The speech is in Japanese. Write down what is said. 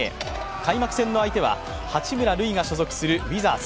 開幕戦の相手は八村塁が所属するウィザーズ。